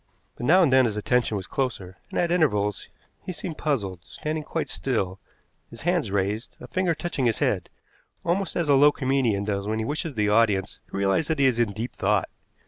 But now and then his attention was closer, and at intervals he seemed puzzled, standing quite still, his hands raised, a finger touching his head, almost as a low comedian does when he wishes the audience to realize that he is in deep thought.